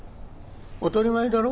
「当たり前だろ？